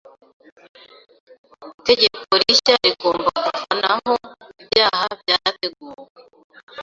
Itegeko rishya rigomba kuvanaho ibyaha byateguwe.